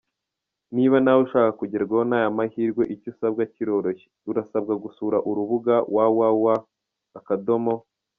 Niba nawe ushaka kugerwaho n’aya mahirwe icyo usabwa kiroroshye: Urasabwa gusura urubuga www.